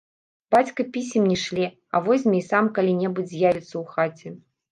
Бацька пісем не шле, а возьме і сам калі-небудзь з'явіцца ў хаце.